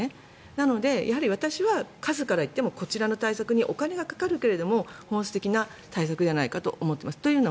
なので、やはり私は数からいってもこちらの対策にお金がかかるけれども本質的な対策じゃないかと思っています。